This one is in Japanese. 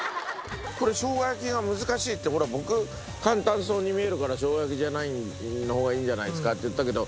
これしょうが焼きが難しいって僕簡単そうに見えるからしょうが焼きじゃないのがいいんじゃないですかって言ったけど。